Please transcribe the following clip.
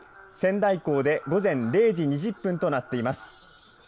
仙台港で午前０時２０分となっています。